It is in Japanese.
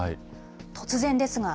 突然ですが。